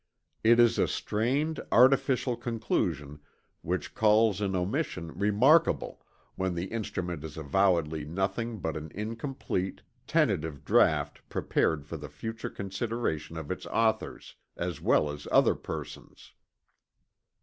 It is a strained, artificial conclusion which calls an omission "remarkable" when the instrument is avowedly nothing but an incomplete, tentative draught prepared for the future consideration of its author as well as other persons.